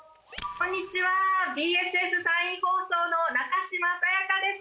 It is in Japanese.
こんにちはＢＳＳ山陰放送の中島早也佳です